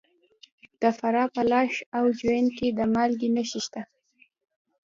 د فراه په لاش او جوین کې د مالګې نښې شته.